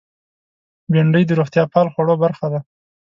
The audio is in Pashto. بېنډۍ د روغتیا پال خوړو برخه ده